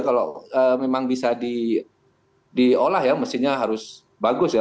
kalau memang bisa diolah ya mestinya harus bagus ya